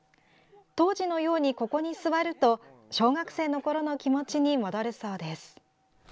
当時のように、ここに座ると小学生のころの気持ちに戻るそうです。